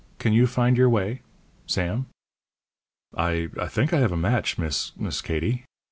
Can you find your way Sam?" "I I think I have a match, Miss K Katie."